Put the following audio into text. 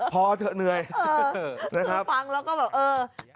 เออคือฟังแล้วก็แบบเออ